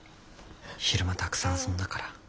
昼間たくさん遊んだから。